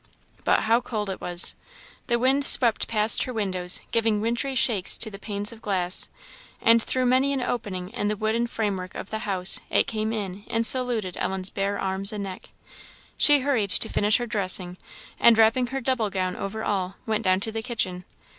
But how cold it was! The wind swept past her windows, giving wintry shakes to the panes of glass, and through many an opening in the wooden framework of the house it came in and saluted Ellen's bare arms and neck. She hurried to finish her dressing, and wrapping her double gown over all, went down to the kitchen.